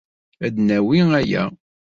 Ad d-nawi aya.